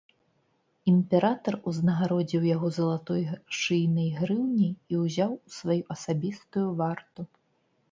Імператар узнагародзіў яго залатой шыйнай грыўняй і ўзяў у сваю асабістую варту.